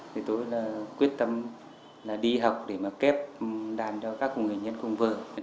thì tôi quyết tâm đi học để mà kép đàn cho các cụ nghệ nhân cùng vừa